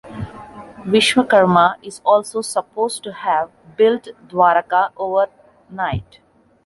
Viswakarma is also supposed to have built Dwarka overnight.